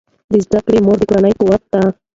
د زده کړې مور د کورنۍ قوت ده.